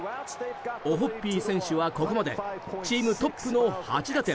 オホッピー選手はここまでチームトップの８打点。